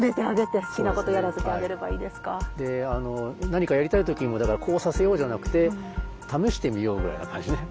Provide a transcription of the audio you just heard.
何かやりたい時にもだからこうさせようじゃなくて試してみようぐらいな感じね。